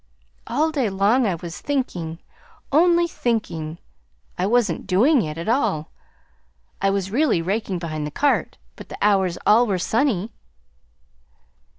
All day long I was thinking only thinking. I wasn't DOING it, at all. I was really raking behind the cart; but the hours all were sunny."